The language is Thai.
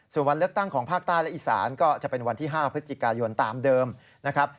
ส่วนวันเลือกตั้งของภาคใต้และอีสานก็จะเป็นวันที่๕พฤศจิกายนตามเดิมนะครับ